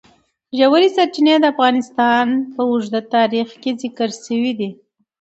ژورې سرچینې د افغانستان په اوږده تاریخ کې ذکر شوی دی.